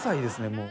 もう。